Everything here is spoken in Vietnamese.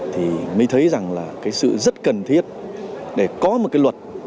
thì mới thấy rằng là cái sự rất cần thiết để có một cái luật